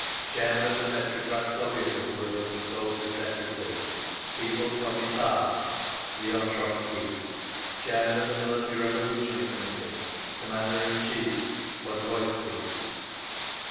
Chairman of the Petrograd Soviet of Worker's and Soldiers' Deputies, People's Commissar LEON TROTZKY. Chairman of the Military Revolutionary Committee, Commander in Chief PODVOISKY.